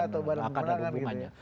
pasti enggak akan ada hubungannya